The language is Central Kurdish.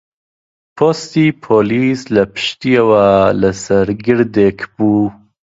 پۆستی پۆلیس لە پشتیەوە لەسەر گردێک بوو